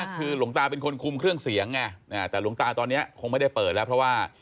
คือหลวงตาเป็นคนคุมเครื่องเสียงไงแต่หลวงตาตอนนี้คงไม่ได้เปิดแล้วเพราะว่า